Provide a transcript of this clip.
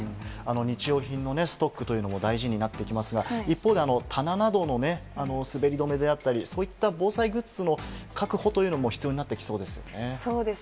日用品のストックというのも大事になってきますが、一方で、棚などのね、滑り止めであったり、そういった防災グッズの確保というのも必要そうですよね。